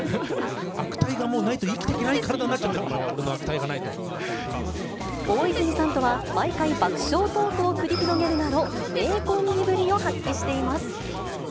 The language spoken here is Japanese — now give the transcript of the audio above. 悪態がもうないと生きていけない体になっちゃってる、お前はもう、大泉さんとは毎回、爆笑トークを繰り広げるなど、名コンビぶりを発揮しています。